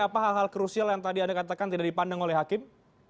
apa hal hal krusial yang tadi anda katakan tidak dipandang oleh hakim